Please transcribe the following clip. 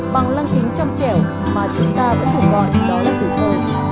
bằng lăng kính trăm trẻo mà chúng ta vẫn thủng gọi đó là tuổi thơ